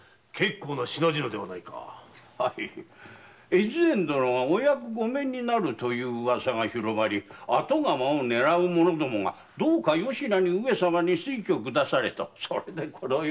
越前殿がお役御免になるとの噂が広まり後釜を狙う者どもがどうかよしなに上様に推挙くだされとそれでこのように。